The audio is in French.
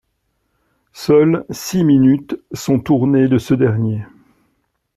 Seules six minutes sont tournées de ce dernier.